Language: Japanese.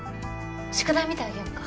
宿題見てあげようか。